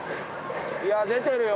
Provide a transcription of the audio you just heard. いや出てるよ